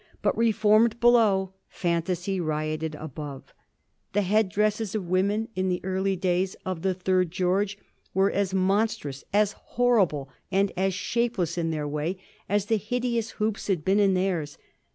But reformed below, fantasy rioted above. The headdresses of women in the early days of the third George were as monstrous, as horrible, and as shapeless in their way as the hideous hoops had been in theirs.